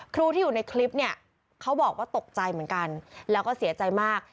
ครูที่อยู่ในคลิปเนี่ยเขาบอกว่าตกใจเหมือนกันแล้วก็เสียใจมาก